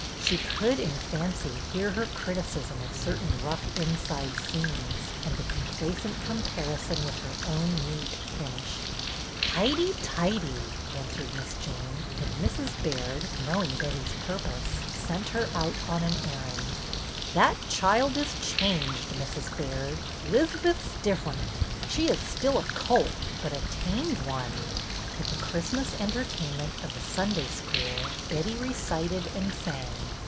She could in fancy hear her criticism of cer tain rough inside seams and the complacent comparison with her own neat finish. " Highty tight}M " answered Miss Jane; and Mrs. Baird, knowing Betty's purpose, sent her out on an errand. AT HOME FOR CHRISTMAS i6i " That child is changed, Mrs. Baird. 'Liz beth 's different. She is still a colt, but a tamed one." At the Christmas entertainment of the Sunday School, Betty recited and sang.